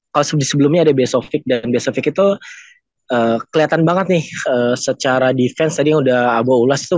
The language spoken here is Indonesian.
kau sebelumnya ada besok dan besok itu kelihatan banget nih secara defense ada udah abu abu langsung